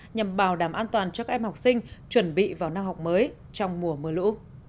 nhằm bảo đảm an toàn cho các em học sinh chuẩn bị vào năm học mới trong mùa mưa lũ